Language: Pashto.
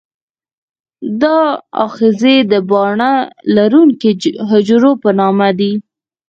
دا آخذې د باڼه لرونکي حجرو په نامه دي.